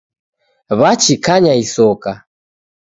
Wachikanya isoka.